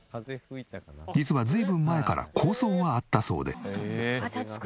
実は随分前から構想はあったそうで。